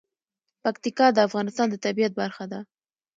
پکتیکا د افغانستان د طبیعت برخه ده.